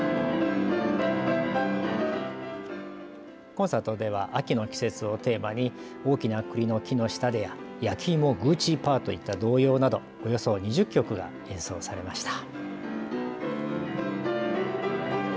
コンサートでは秋の季節をテーマに大きな栗の木の下でややきいもグーチーパーといった童謡などおよそ２０曲が演奏されました。